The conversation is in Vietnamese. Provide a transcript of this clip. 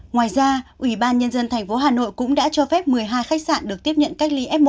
ngoài ra ubnd tp hà nội cũng đã cho phép một mươi hai khách sạn được tiếp nhận cách ly s một